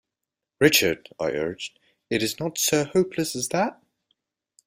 "Richard," I urged, "it is not so hopeless as that?"